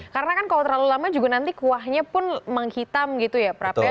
karena kan kalau terlalu lama juga nanti kuahnya pun menghitam gitu ya prape